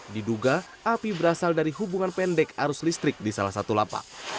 diduga api berasal dari hubungan pendek arus listrik di salah satu lapak